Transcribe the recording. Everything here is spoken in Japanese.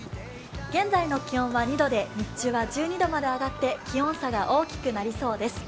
現在の気温は２度で日中は１２度まで上がって気温差が大きくなりそうです。